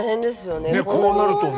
ねっこうなるとね。